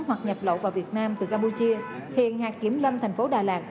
hoặc nhập lộ vào việt nam từ campuchia hiện hạt kiểm lâm tp đà lạt